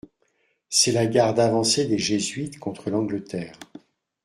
C'est la garde avancée des jésuites contre l'Angleterre.